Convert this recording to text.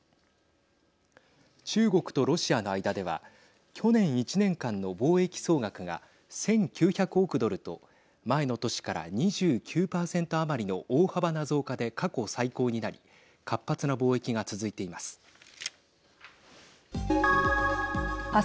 中国とロシアの間では去年１年間の貿易総額が１９００億ドルと前の年から２９％余りの大幅な増加で過去最高になり活発な貿易が続いています。